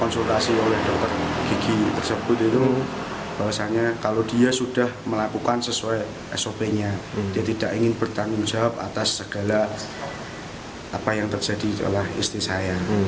saya akan menjawab atas segala apa yang terjadi oleh istri saya